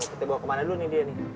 kita bawa kemana dulu nih dia nih